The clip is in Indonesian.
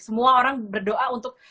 semua orang berdoa untuk